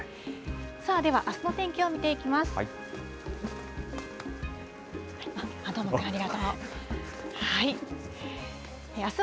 さあでは、あすの天気を見ていきます。